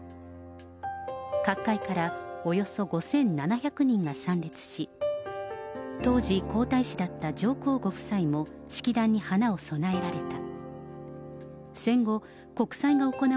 各界からおよそ５７００人が参列し、当時皇太子だった上皇ご夫妻も、式壇に花を供えられた。